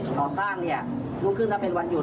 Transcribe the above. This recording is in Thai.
หรือวันเสาร์เราก็จะออกตะเวนหาเหยื่อ